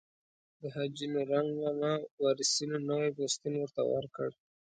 د حاجي نورنګ ماما وارثینو نوی پوستین ورته ورکړ.